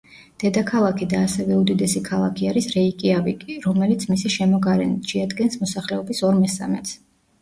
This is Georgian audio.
დედაქალაქი და ასევე უდიდესი ქალაქი არის რეიკიავიკი, რომელიც მისი შემოგარენით შეადგენს მოსახლეობის ორ მესამედს.